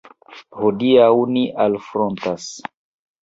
Hodiaŭ ni alfrontas.